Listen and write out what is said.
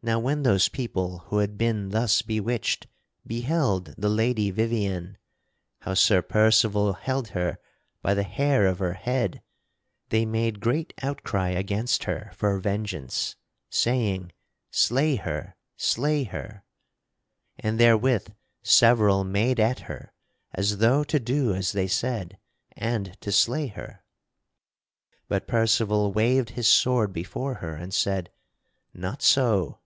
Now when those people who had been thus bewitched beheld the Lady Vivien, how Sir Percival held her by the hair of her head, they made great outcry against her for vengeance, saying: "Slay her! Slay her!" And therewith several made at her as though to do as they said and to slay her. But Percival waved his sword before her and said: "Not so!